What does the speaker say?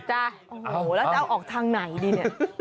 โอ้โหแล้วจะเอาออกทางไหนดีเนี่ย